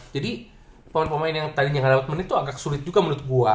jadi pemain pemain yang tadinya gak dapet menit tuh agak sulit juga menurut gua